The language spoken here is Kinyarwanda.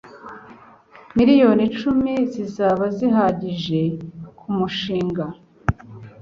Miliyoni icumi zizaba zihagije kumushinga